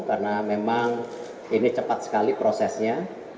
karena memang ini cepat sekali prosesnya